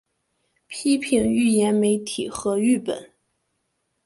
批评预言媒体和誊本